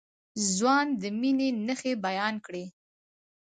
ځوان د مينې نښې بيان کړې.